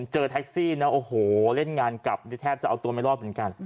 เจอแท็กซี่นะโอ้โหเล่นงานกลับแทบจะเอาตัวไม่รอดเหมือนกัน